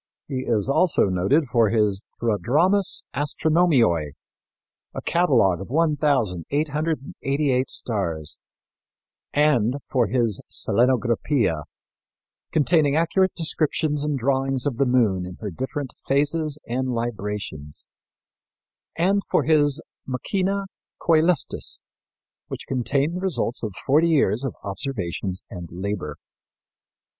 He is also noted for his Prodromus Astronomiæ, a catalogue of 1,888 stars; for his Selenographia, containing accurate descriptions and drawings of the moon in her different phases and librations, and for his Machina Coelestis, which contained the results of forty years of observations and labor.